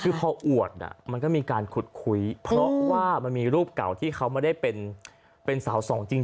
คือพออวดมันก็มีการขุดคุยเพราะว่ามันมีรูปเก่าที่เขาไม่ได้เป็นสาวสองจริง